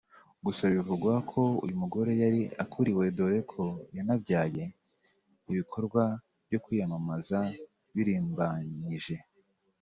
gusa bivugwa ko uyu mugore yari akuriwe dore ko yanabyaye ibikorwa byo kwiyamamaza birimbanyije